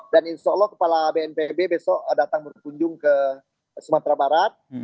dan insya allah kepala bnpb besok datang berkunjung ke sumatera barat